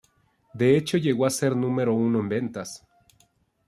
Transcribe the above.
De hecho llegó a ser número uno en ventas.